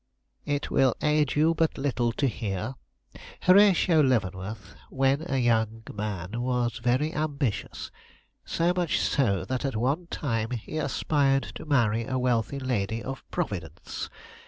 "It will aid you but little to hear. Horatio Leavenworth, when a young man, was very ambitious; so much so, that at one time he aspired to marry a wealthy lady of Providence.